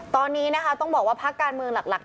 ตอนนี้นะคะต้องบอกว่าพักการเมืองหลัก